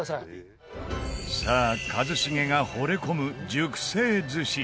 さあ一茂がほれ込む熟成寿司